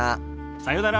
さよなら。